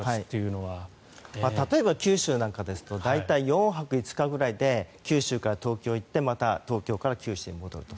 例えば、九州なんかですと大体４泊５日くらいで九州から東京へ行ってまた東京から九州に戻ると。